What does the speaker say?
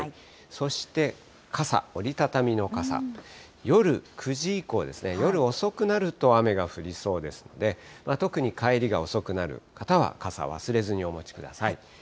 そして傘、折り畳みの傘、夜９時以降、夜遅くなると雨が降りそうですので、特に帰りが遅くなる方は傘忘れずにお持ちください。